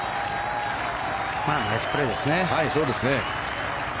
まあナイスプレーですね。